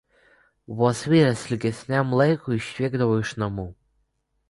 vos vyras ilgesniam laikui išvykdavo iš namų